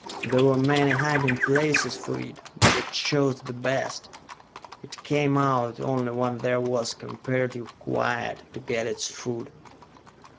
"There were many hiding places for it, but it chose the best. It came out only when there was comparative quiet, to get its food...."